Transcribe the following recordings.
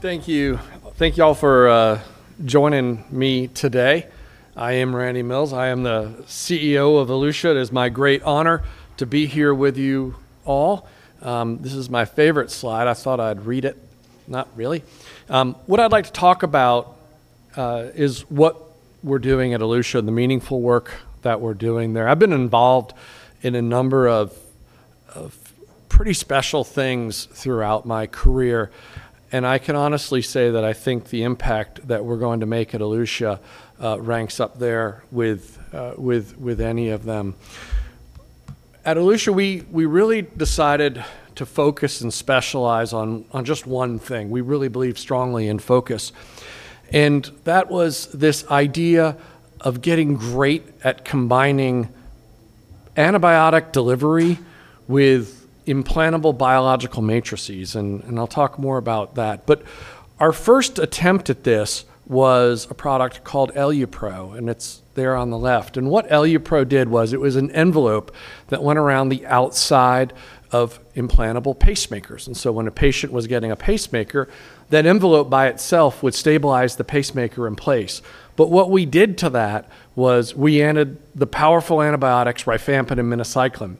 Thank you. Thank y'all for joining me today. I am C. Randal Mills. I am the CEO of Elutia. It is my great honor to be here with you all. This is my favorite slide. I thought I'd read it. Not really. What I'd like to talk about is what we're doing at Elutia, the meaningful work that we're doing there. I've been involved in a number of pretty special things throughout my career, and I can honestly say that I think the impact that we're going to make at Elutia ranks up there with any of them. At Elutia, we really decided to focus and specialize on just one thing. We really believe strongly in focus, and that was this idea of getting great at combining antibiotic delivery with implantable biological matrices, and I'll talk more about that. Our first attempt at this was a product called EluPro, and it's there on the left. What EluPro did was, it was an envelope that went around the outside of implantable pacemakers. When a patient was getting a pacemaker, that envelope by itself would stabilize the pacemaker in place. What we did to that was we added the powerful antibiotics rifampin and minocycline,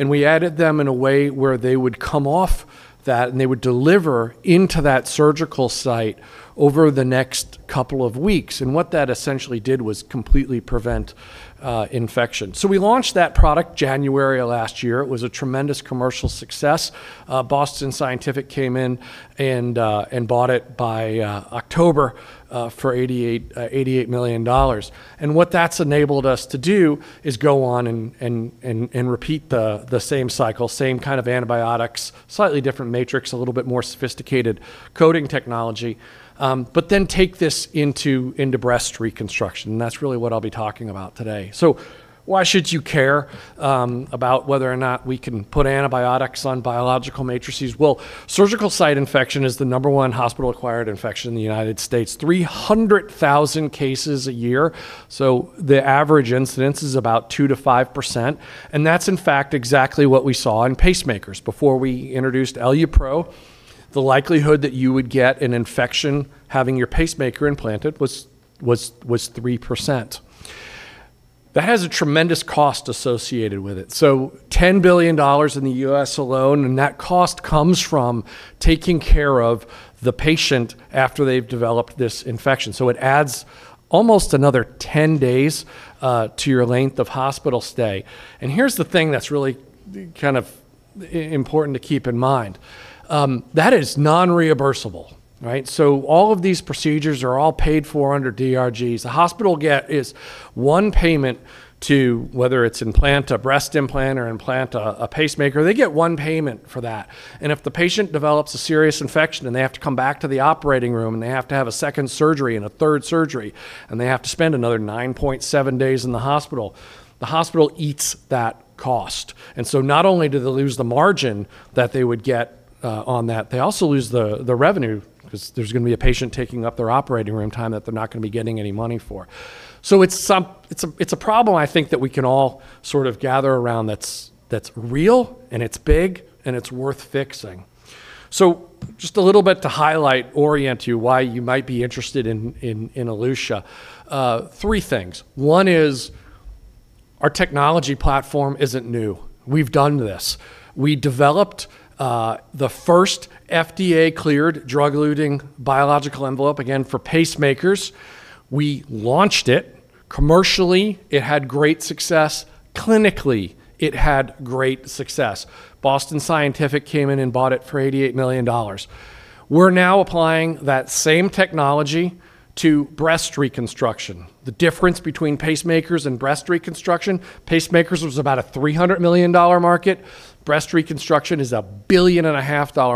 and we added them in a way where they would come off that, and they would deliver into that surgical site over the next couple of weeks. What that essentially did was completely prevent infection. We launched that product January of last year. It was a tremendous commercial success. Boston Scientific came in and bought it by October for $88 million. What that's enabled us to do is go on and repeat the same cycle, same kind of antibiotics, slightly different matrix, a little bit more sophisticated coating technology, take this into breast reconstruction, and that's really what I'll be talking about today. Why should you care about whether or not we can put antibiotics on biological matrices? Surgical site infection is the number one hospital-acquired infection in the U.S., 300,000 cases a year. The average incidence is about 2% to 5%. That's in fact exactly what we saw in pacemakers. Before we introduced EluPro, the likelihood that you would get an infection having your pacemaker implanted was 3%. That has a tremendous cost associated with it. $10 billion in the U.S. alone, and that cost comes from taking care of the patient after they've developed this infection. It adds almost another 10 days to your length of hospital stay. Here's the thing that's really kind of important to keep in mind. That is non-reimbursable, right? All of these procedures are all paid for under DRGs. The hospital get is one payment to whether it's implant a breast implant or implant a pacemaker. They get one payment for that. If the patient develops a serious infection, and they have to come back to the operating room, and they have to have a second surgery and a third surgery, and they have to spend another 9.7 days in the hospital, the hospital eats that cost. Not only do they lose the margin that they would get on that, they also lose the revenue 'cause there's gonna be a patient taking up their operating room time that they're not gonna be getting any money for. It's a problem I think that we can all sort of gather around that's real, and it's big, and it's worth fixing. Just a little bit to highlight, orient you why you might be interested in Elutia. Three things. One is our technology platform isn't new. We've done this. We developed the first FDA-cleared drug-eluting biologic envelope, again, for pacemakers. We launched it commercially. It had great success. Clinically, it had great success. Boston Scientific came in and bought it for $88 million. We're now applying that same technology to breast reconstruction. The difference between pacemakers and breast reconstruction, pacemakers was about a $300 million market. Breast reconstruction is a $1.5 billion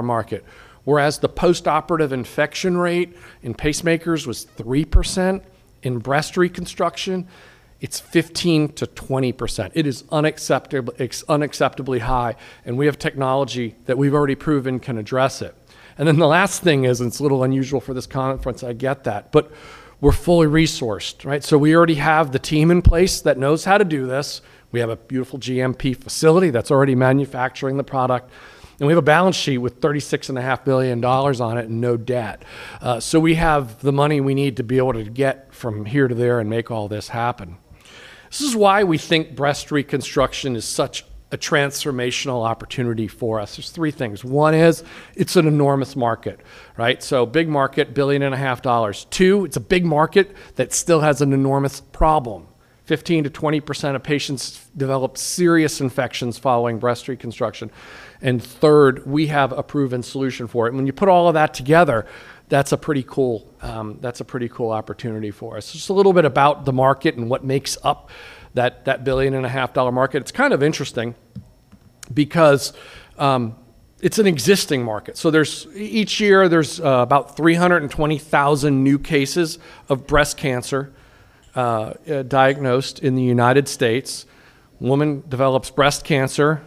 market. The postoperative infection rate in pacemakers was 3%, in breast reconstruction it's 15% to 20%. It is unacceptable. It's unacceptably high, we have technology that we've already proven can address it. The last thing is, it's a little unusual for this conference, I get that, we're fully resourced, right? We already have the team in place that knows how to do this. We have a beautiful GMP facility that's already manufacturing the product, we have a balance sheet with 36 and a half billion dollars on it and no debt. We have the money we need to be able to get from here to there and make all this happen. This is why we think breast reconstruction is such a transformational opportunity for us. There's three things. One is it's an enormous market, right? Big market, $1.5 billion. Two, it's a big market that still has an enormous problem. 15%-20% of patients develop serious infections following breast reconstruction. Third, we have a proven solution for it. When you put all of that together, that's a pretty cool opportunity for us. Just a little bit about the market and what makes up that $1.5 billion market. It's kind of interesting because it's an existing market. Each year, there's about 320,000 new cases of breast cancer diagnosed in the U.S. Woman develops breast cancer.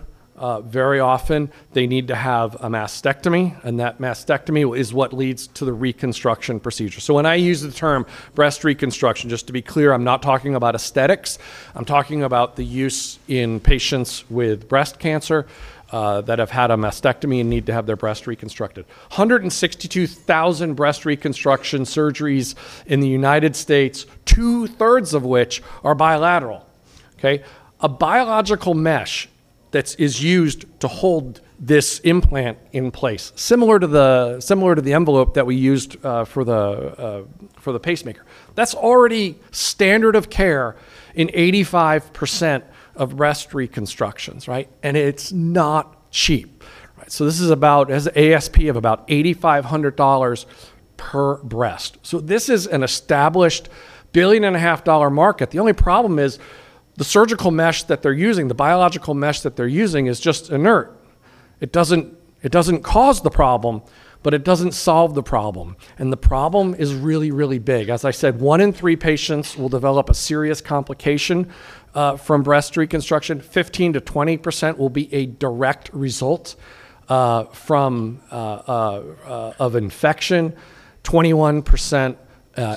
Very often they need to have a mastectomy, and that mastectomy is what leads to the reconstruction procedure. When I use the term breast reconstruction, just to be clear, I'm not talking about aesthetics. I'm talking about the use in patients with breast cancer that have had a mastectomy and need to have their breast reconstructed. 162,000 breast reconstruction surgeries in the United States, 2/3 of which are bilateral, okay? A biological mesh that's used to hold this implant in place, similar to the envelope that we used for the pacemaker. That's already standard of care in 85% of breast reconstructions, right? It's not cheap. This has an ASP of about $8,500 per breast. This is an established $1.5 billion market. The only problem is the surgical mesh that they're using, the biological mesh that they're using, is just inert. It doesn't cause the problem, but it doesn't solve the problem. The problem is really big. As I said, one in three patients will develop a serious complication from breast reconstruction. 15%-20% will be a direct result of infection. 21%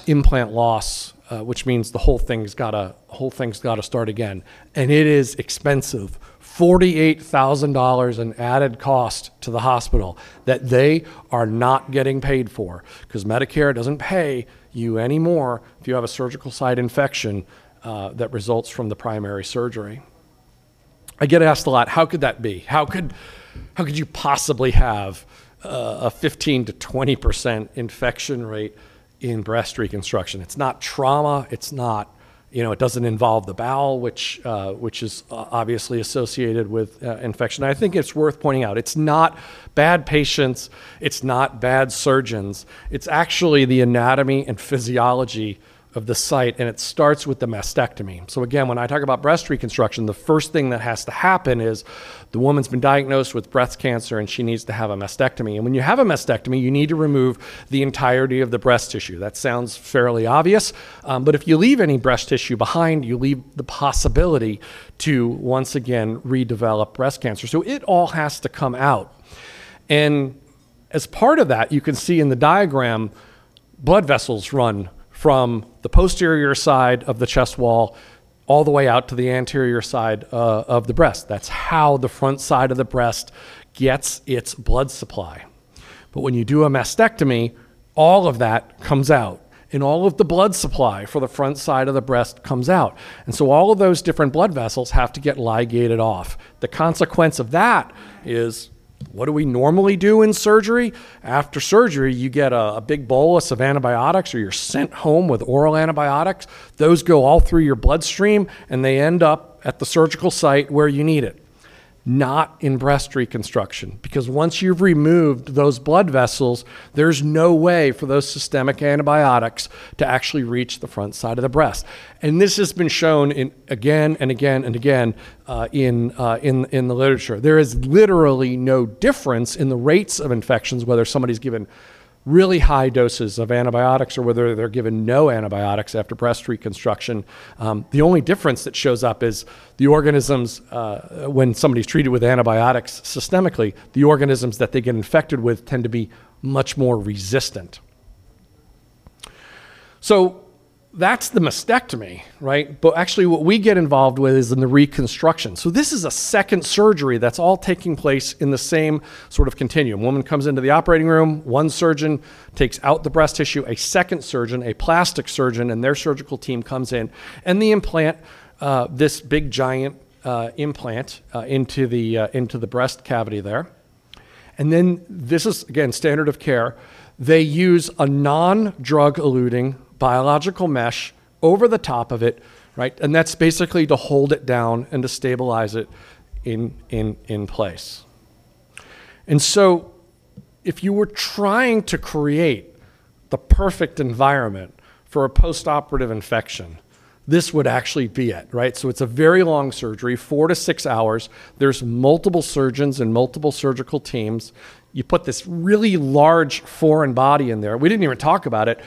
implant loss, which means the whole thing's gotta start again. It is expensive. $48,000 in added cost to the hospital that they are not getting paid for, 'cause Medicare doesn't pay you any more if you have a surgical site infection that results from the primary surgery. I get asked a lot, "How could that be? How could you possibly have a 15%-20% infection rate in breast reconstruction? It's not trauma. You know, it doesn't involve the bowel, which is obviously associated with infection. I think it's worth pointing out, it's not bad patients, it's not bad surgeons. It's actually the anatomy and physiology of the site, and it starts with the mastectomy. Again, when I talk about breast reconstruction, the first thing that has to happen is the woman's been diagnosed with breast cancer, and she needs to have a mastectomy. When you have a mastectomy, you need to remove the entirety of the breast tissue. That sounds fairly obvious, but if you leave any breast tissue behind, you leave the possibility to, once again, redevelop breast cancer. It all has to come out. As part of that, you can see in the diagram, blood vessels run from the posterior side of the chest wall all the way out to the anterior side of the breast. That's how the front side of the breast gets its blood supply. When you do a mastectomy, all of that comes out, and all of the blood supply for the front side of the breast comes out. All of those different blood vessels have to get ligated off. The consequence of that is, what do we normally do in surgery? After surgery, you get a big bolus of antibiotics, or you're sent home with oral antibiotics. Those go all through your bloodstream, and they end up at the surgical site where you need it. Not in breast reconstruction, because once you've removed those blood vessels, there's no way for those systemic antibiotics to actually reach the front side of the breast. This has been shown again and again and again in the literature. There is literally no difference in the rates of infections whether somebody's given really high doses of antibiotics or whether they're given no antibiotics after breast reconstruction. The only difference that shows up is the organisms, when somebody's treated with antibiotics systemically, the organisms that they get infected with tend to be much more resistant. That's the mastectomy, right? Actually what we get involved with is in the reconstruction. This is a second surgery that's all taking place in the same sort of continuum. Woman comes into the operating room, one surgeon takes out the breast tissue, a second surgeon, a plastic surgeon, and their surgical team comes in, they implant this big, giant implant into the breast cavity there. This is, again, standard of care. They use a non-drug-eluting biologic envelope over the top of it, right? That's basically to hold it down and to stabilize it in place. If you were trying to create the perfect environment for a postoperative infection, this would actually be it, right? It's a very long surgery, four to six hours. There's multiple surgeons and multiple surgical teams. You put this really large foreign body in there. We didn't even talk about it.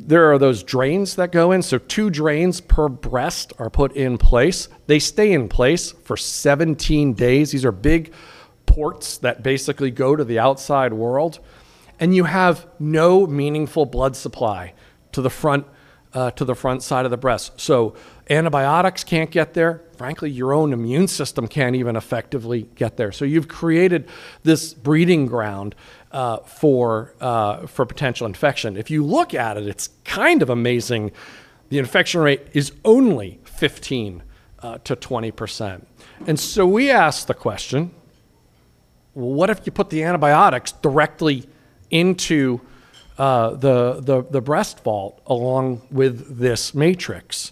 There are those drains that go in, so two drains per breast are put in place. They stay in place for 17 days. These are big ports that basically go to the outside world. You have no meaningful blood supply to the front, to the front side of the breast. Antibiotics can't get there. Frankly, your own immune system can't even effectively get there. You've created this breeding ground for potential infection. If you look at it's kind of amazing the infection rate is only 15%-20%. We ask the question: What if you put the antibiotics directly into the breast vault along with this matrix?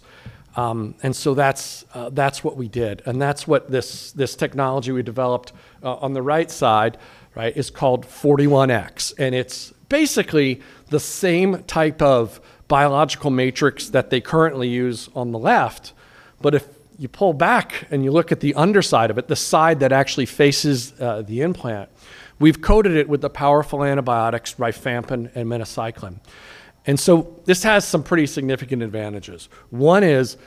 That's what we did, and that's what this technology we developed on the right side, right, is called 41X. It's basically the same type of biological matrix that they currently use on the left. If you pull back and you look at the underside of it, the side that actually faces the implant, we've coated it with the powerful antibiotics rifampin and minocycline. This has some pretty significant advantages. One is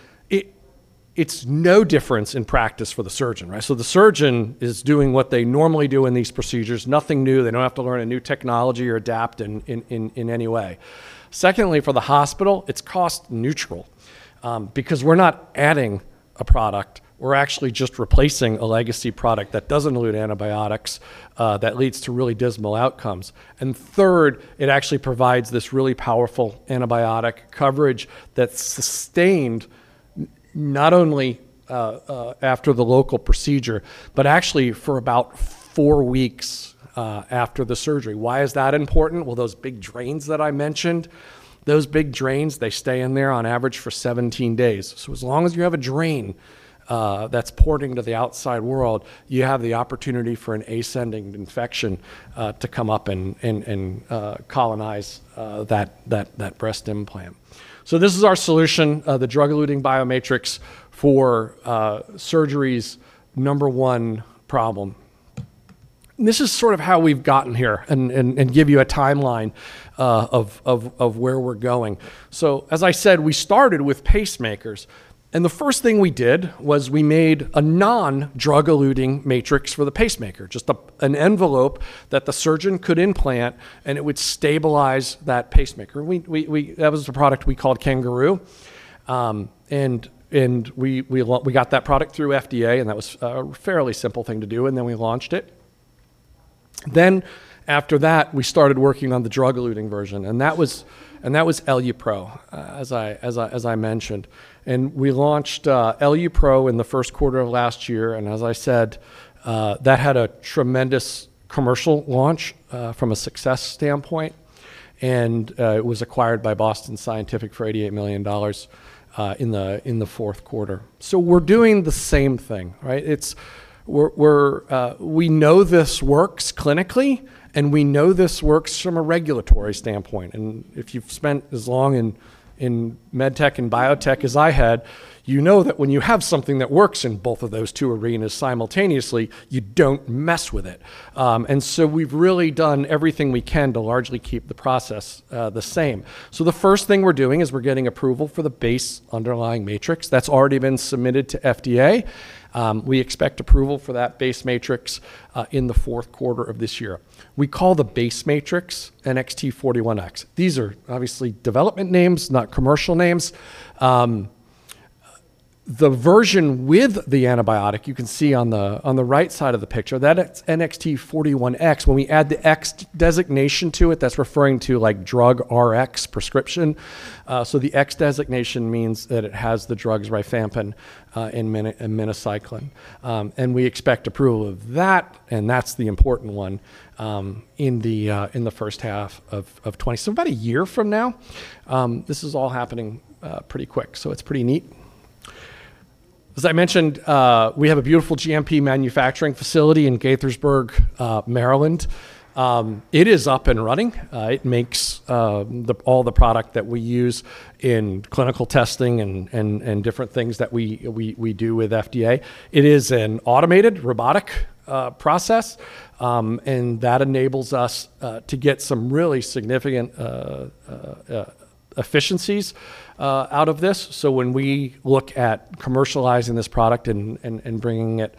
It's no difference in practice for the surgeon, right? The surgeon is doing what they normally do in these procedures, nothing new. They don't have to learn a new technology or adapt in any way. Secondly, for the hospital, it's cost neutral because we're not adding a product. We're actually just replacing a legacy product that doesn't elute antibiotics that leads to really dismal outcomes. Third, it actually provides this really powerful antibiotic coverage that's sustained not only after the local procedure, but actually for about four weeks after the surgery. Why is that important? Well, those big drains that I mentioned, those big drains, they stay in there on average for 17 days. As long as you have a drain that's porting to the outside world, you have the opportunity for an ascending infection to come up and colonize that breast implant. This is our solution, the drug-eluting biomatrix for surgery's number one problem. This is sort of how we've gotten here and give you a timeline of where we're going. As I said, we started with pacemakers, and the first thing we did was we made a non-drug-eluting matrix for the pacemaker, just an envelope that the surgeon could implant, and it would stabilize that pacemaker. We that was the product we called CanGaroo. We got that product through FDA, and that was a fairly simple thing to do, we launched it. After that, we started working on the drug-eluting version, and that was EluPro, as I mentioned. We launched EluPro in the first quarter of last year, as I said, that had a tremendous commercial launch from a success standpoint, it was acquired by Boston Scientific for $88 million in the fourth quarter. We're doing the same thing, right? We know this works clinically, we know this works from a regulatory standpoint. If you've spent as long in med tech and biotech as I had, you know that when you have something that works in both of those two arenas simultaneously, you don't mess with it. We've really done everything we can to largely keep the process the same. The first thing we're doing is we're getting approval for the base underlying matrix. That's already been submitted to FDA. We expect approval for that base matrix in the fourth quarter of this year. We call the base matrix NXT-41x. These are obviously development names, not commercial names. The version with the antibiotic you can see on the right side of the picture. That's NXT-41x. When we add the x designation to it, that's referring to, like, drug Rx prescription. The x designation means that it has the drugs rifampin and minocycline. We expect approval of that, and that's the important one, in the first half of 2020. About a year from now. This is all happening pretty quick, so it's pretty neat. As I mentioned, we have a beautiful GMP manufacturing facility in Gaithersburg, Maryland. It is up and running. It makes all the product that we use in clinical testing and different things that we do with FDA. It is an automated robotic process, and that enables us to get some really significant efficiencies out of this. When we look at commercializing this product and bringing it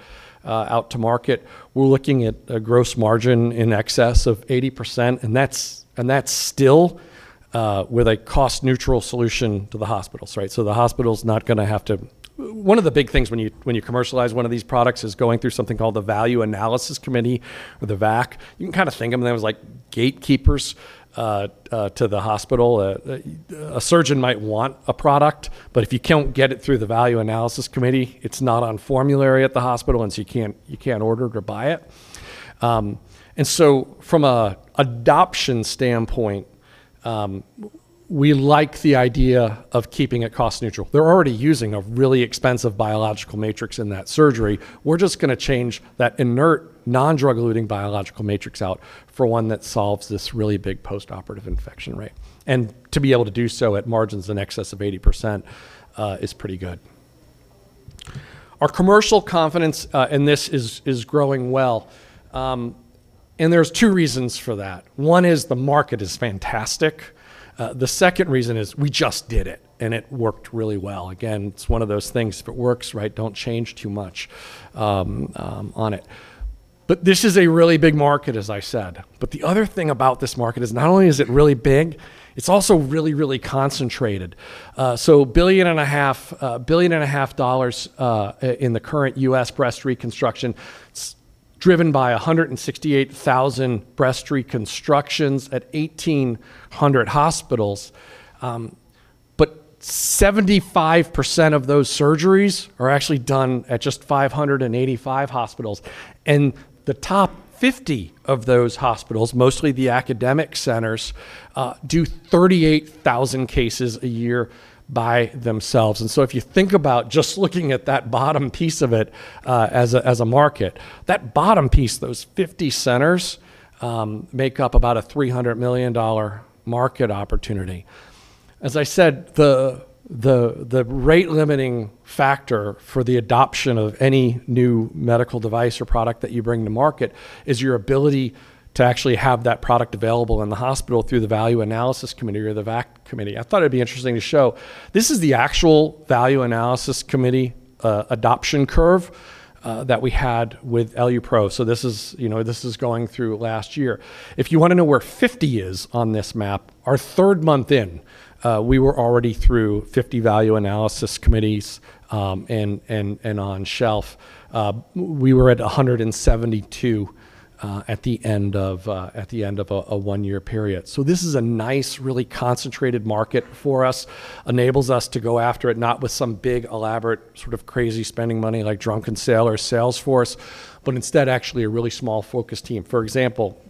out to market, we're looking at a gross margin in excess of 80%, and that's still with a cost-neutral solution to the hospitals, right? The hospital's not going to have to. One of the big things when you commercialize one of these products is going through something called the Value Analysis Committee or the VAC. You can kind of think of them as, like, gatekeepers to the hospital. A surgeon might want a product, but if you can't get it through the Value Analysis Committee, it's not on formulary at the hospital, and so you can't order it or buy it. From an adoption standpoint, we like the idea of keeping it cost neutral. They're already using a really expensive biologic matrix in that surgery. We're just gonna change that inert non-drug-eluting biologic matrix out for one that solves this really big postoperative infection rate. To be able to do so at margins in excess of 80%, is pretty good. Our commercial confidence in this is growing well, there's two reasons for that. One is the market is fantastic. The second reason is we just did it worked really well. Again, it's one of those things, if it works, right, don't change too much on it. This is a really big market, as I said. The other thing about this market is not only is it really big, it's also really, really concentrated. A $1.5 billion in the current U.S. breast reconstruction, driven by 168,000 breast reconstructions at 1,800 hospitals. 75% of those surgeries are actually done at just 585 hospitals. The top 50 of those hospitals, mostly the academic centers, do 38,000 cases a year by themselves. If you think about just looking at that bottom piece of it, as a market, that bottom piece, those 50 centers, make up about a $300 million market opportunity. As I said, the rate-limiting factor for the adoption of any new medical device or product that you bring to market is your ability to actually have that product available in the hospital through the Value Analysis Committee or the VAC. I thought it'd be interesting to show. This is the actual Value Analysis Committee adoption curve that we had with EluPro. This is, you know, this is going through last year. If you wanna know where 50 is on this map, our third month in, we were already through 50 Value Analysis Committees and on shelf. We were at 172 at the end of a one-year period. This is a nice, really concentrated market for us, enables us to go after it not with some big elaborate sort of crazy spending money like drunken sailor sales force, but instead actually a really small focus team. For example,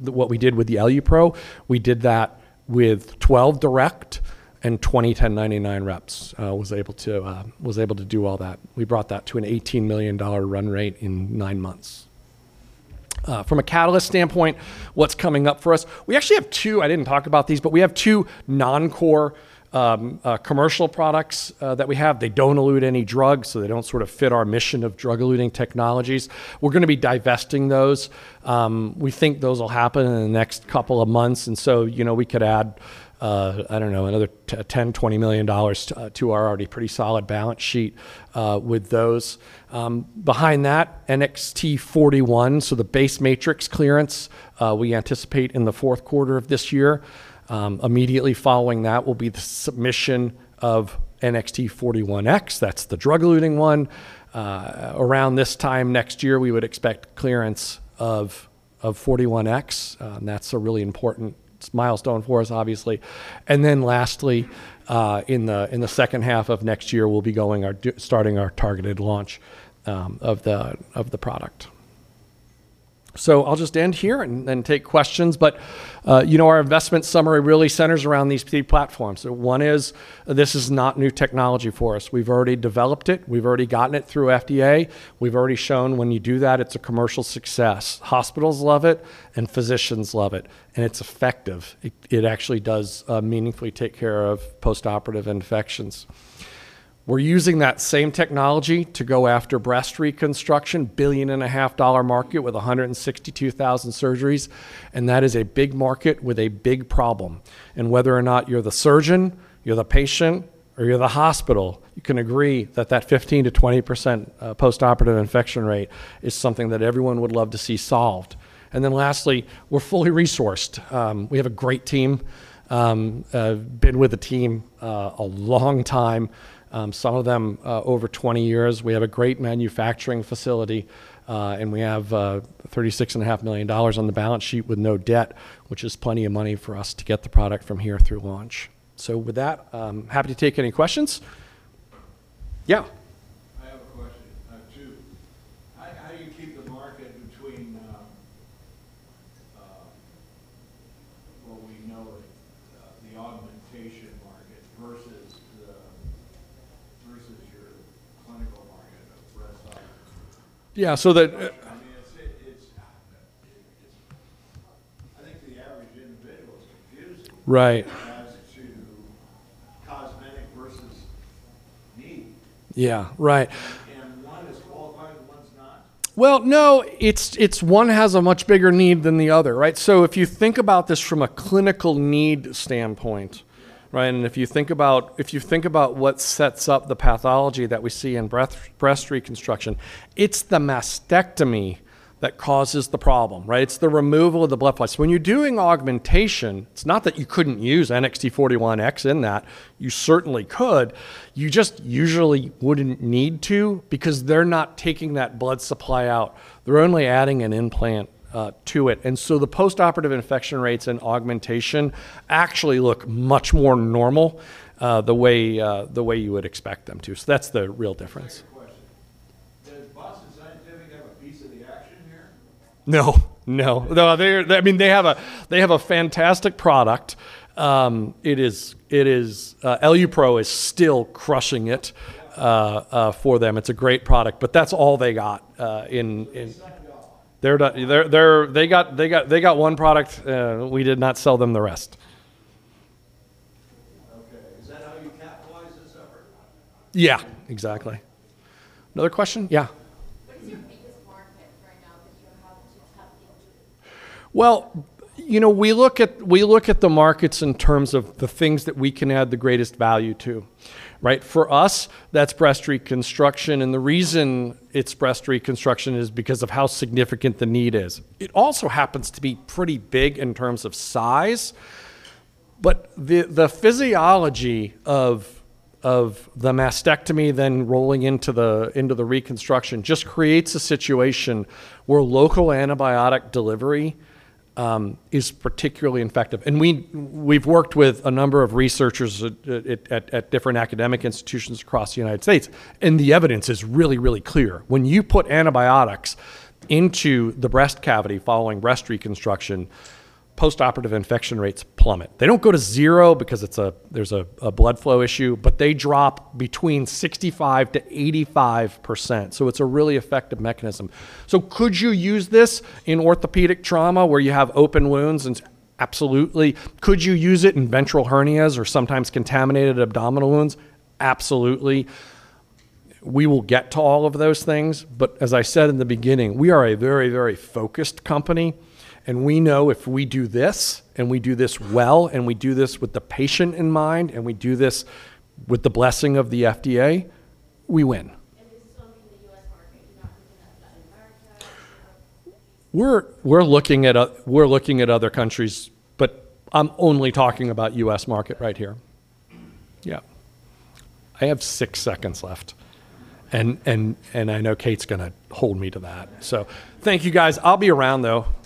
what we did with the EluPro, we did that with 12 direct and 20 1099 reps, was able to do all that. We brought that to an $18 million run rate in nine months. From a Catalyst standpoint, what's coming up for us, we actually have two, I didn't talk about these, but we have two non-core commercial products that we have. They don't elute any drugs, so they don't sort of fit our mission of drug-eluting technologies. We're gonna be divesting those. We think those will happen in the next couple of months you know, we could add, I don't know, another $10-20 million to our already pretty solid balance sheet with those. Behind that, NXT-41, the base matrix clearance, we anticipate in the 4th quarter of this year. Immediately following that will be the submission of NXT-41X, that's the drug-eluting one. Around this time next year we would expect clearance of 41X, that's a really important milestone for us obviously. Lastly, in the second half of next year we'll be starting our targeted launch of the product. I'll just end here and take questions. You know, our investment summary really centers around these key platforms. One is this is not new technology for us. We've already developed it, we've already gotten it through FDA, we've already shown when you do that it's a commercial success. Hospitals love it and physicians love it, and it's effective. It actually does meaningfully take care of postoperative infections. We're using that same technology to go after breast reconstruction, billion and a half dollar market with 162,000 surgeries. That is a big market with a big problem. Whether or not you're the surgeon, you're the patient, or you're the hospital, you can agree that that 15%-20% postoperative infection rate is something that everyone would love to see solved. Lastly, we're fully resourced. We have a great team. I've been with the team a long time, some of them over 20 years. We have a great manufacturing facility. We have $36.5 million on the balance sheet with no debt, which is plenty of money for us to get the product from here through launch. With that, I'm happy to take any questions. Yeah. I have a question. Two. How do you keep the market between what we know, the augmentation market versus your clinical market of breast augments? Yeah. I mean, it's I think the average individual is confused. Right As to cosmetic versus need. Yeah. Right. One is qualified and one's not? No, it's one has a much bigger need than the other, right? If you think about this from a clinical need standpoint, right? If you think about what sets up the pathology that we see in breast reconstruction, it's the mastectomy that causes the problem, right? It's the removal of the blood supply. When you're doing augmentation, it's not that you couldn't use NXT-41x in that, you certainly could, you just usually wouldn't need to because they're not taking that blood supply out. They're only adding an implant to it. The postoperative infection rates in augmentation actually look much more normal the way you would expect them to. That's the real difference. Second question. Does Boston Scientific have a piece of the action here? No, they're, I mean, they have a fantastic product. It is EluPro is still crushing it for them. It's a great product. That's all they got. You signed off? They're, they got one product. We did not sell them the rest. Okay. Is that how you capitalize this effort? Yeah, exactly. Another question? Yeah. What is your biggest market right now that you have to tap into? You know, we look at the markets in terms of the things that we can add the greatest value to, right? For us, that's breast reconstruction, and the reason it's breast reconstruction is because of how significant the need is. It also happens to be pretty big in terms of size, but the physiology of the mastectomy then rolling into the reconstruction just creates a situation where local antibiotic delivery is particularly effective. We've worked with a number of researchers at different academic institutions across the U.S., and the evidence is really clear. When you put antibiotics into the breast cavity following breast reconstruction, postoperative infection rates plummet. They don't go to zero because there's a blood flow issue, but they drop between 65%-85%. It's a really effective mechanism. Could you use this in orthopedic trauma where you have open wounds? Absolutely. Could you use it in ventral hernias or sometimes contaminated abdominal wounds? Absolutely. We will get to all of those things, but as I said in the beginning, we are a very, very focused company, and we know if we do this and we do this well and we do this with the patient in mind and we do this with the blessing of the FDA, we win. This is only in the U.S. market. You're not looking at Latin America. We're looking at other countries. I'm only talking about U.S. market right here. Yeah. I have six seconds left, and I know Kate's gonna hold me to that. Thank you, guys. I'll be around though. Thank you.